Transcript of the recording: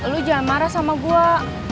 lu jangan marah sama gue